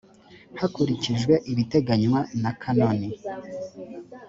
hakurikijwe ibiteganywa na kanoni